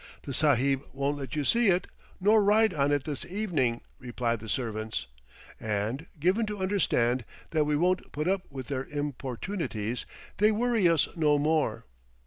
"The sahib won't let you see it, nor ride on it this evening," reply the servants; and, given to understand that we won't put up with their importunities, they worry us no more.